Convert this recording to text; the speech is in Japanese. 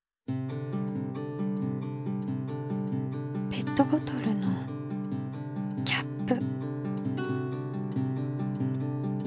ペットボトルのキャップ。